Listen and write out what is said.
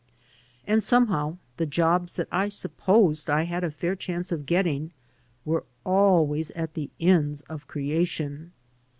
And, somehow, the jobs that I supposed I had a fair chance of getting were always at the ends of creation.